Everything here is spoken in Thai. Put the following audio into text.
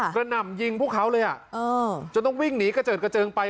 กระดำยิงพวกเขาเลยอะจนต้องวิ่งหนีเกจิญไป